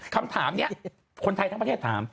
คนไทยทุกรสภาษาประเทศถาม